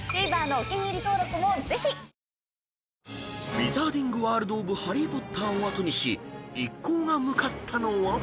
［ウィザーディング・ワールド・オブ・ハリー・ポッターを後にし一行が向かったのは］